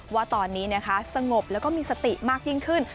ว่าตอนนี้นะคะสงบแล้วก็มีสติมากยิ่งขึ้น